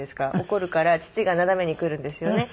怒るから父がなだめに来るんですよね。